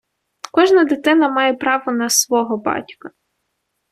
Кожна дитина має право на “свого” батька.